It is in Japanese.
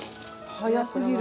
早すぎる。